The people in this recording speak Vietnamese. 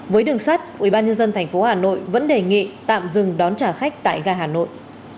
với đường sắt ubnd tp hà nội vẫn đề nghị tạm dừng đón trả khách tại gà hà nội